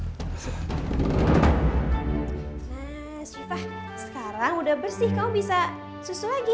nah sifah sekarang udah bersih kamu bisa susu lagi